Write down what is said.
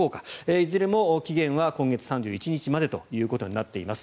いずれも期限は今月３１日までということになっています。